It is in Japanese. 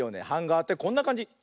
ハンガーってこんなかんじ。